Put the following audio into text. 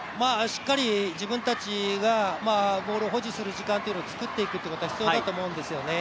しっかり自分たちがボールを保持する時間を作っていくことも必要だと思うんですよね。